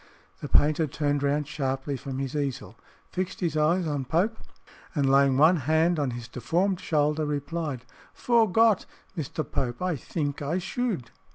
The painter turned round sharply from his easel, fixed his eyes on Pope, and laying one hand on his deformed shoulder, replied, "Fore Gott, Mister Pope, I theenk I shoode."